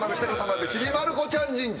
ちびまる子ちゃん神社。